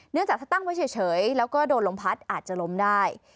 เนื่องจากถ้าตั้งไว้เฉยแล้วก็โดนลมพัดอาจจะล้มได้